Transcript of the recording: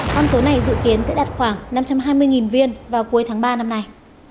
con số này dự kiến sẽ đạt khoảng năm trăm hai mươi viên vào cuối tháng ba năm nay